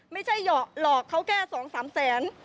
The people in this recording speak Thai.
ไม่ใช่หลอกเขาแค่๒๓แสน